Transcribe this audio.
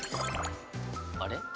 あれ？